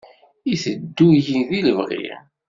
Iteddu-yi deg lebɣi.